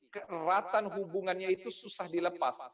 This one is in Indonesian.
keeratan hubungannya itu susah dilepas